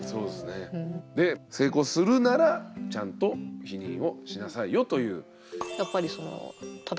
で性交するならちゃんと避妊をしなさいよという。